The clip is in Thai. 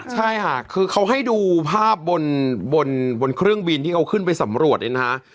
ใช่ค่ะคือเขาให้ดูภาพบนบนเครื่องบินที่เขาขึ้นไปสำรวจเนี่ยนะฮะ